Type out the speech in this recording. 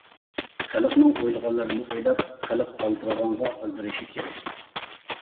خەلقنىڭ ئويلىغانلىرىنى ئويلاپ، خەلق ئالدىرىغانغا ئالدىرىشى كېرەك.